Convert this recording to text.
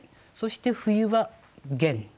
そして冬は玄。